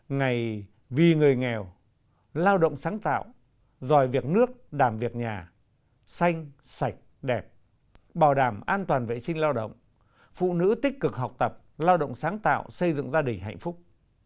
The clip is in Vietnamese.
ngày vì người nghèo lao động sáng tạo dòi việc nước đàm việc nhà xanh sạch đẹp bảo đảm an toàn vệ sinh lao động phụ nữ tích cực học tập lao động sáng tạo xây dựng gia đình hạnh phúc